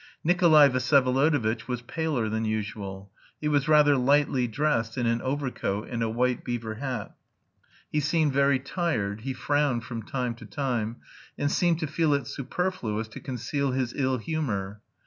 Nikolay Vsyevolodovitch was paler than usual. He was rather lightly dressed in an overcoat and a white beaver hat. He seemed very tired, he frowned from time to time, and seemed to feel it superfluous to conceal his ill humour.